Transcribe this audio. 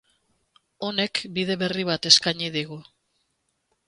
Honek bide berri bat eskaini digu.